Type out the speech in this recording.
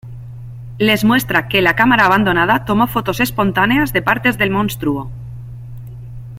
Les muestra que la cámara abandonada tomó fotos espontáneas de partes del monstruo.